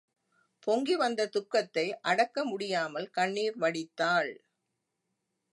பொங்கி வந்த துக்கத்தை அடக்கமுடியாமல் கண்ணீர் வடித்தாள்.